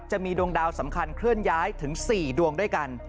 จะมีดวงดาวสำคัญเคลื่อนย้ายถึง๔ดวงด้วยกัน